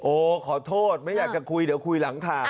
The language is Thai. ขอโทษไม่อยากจะคุยเดี๋ยวคุยหลังข่าว